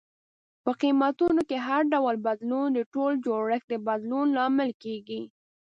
په قیمتونو کې هر ډول بدلون د ټول جوړښت د بدلون لامل کیږي.